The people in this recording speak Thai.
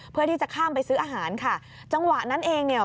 เพื่อที่จะข้ามไปซื้ออาหารค่ะจังหวะนั้นเองเนี่ย